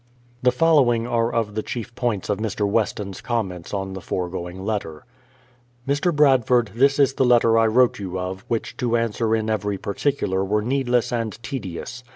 The following are of the chief points of Mr. Weston's comments on the foregoing letter: Mr. Bradford, this is the letter I wrote you of, which to answer in every particular were needless and tedious.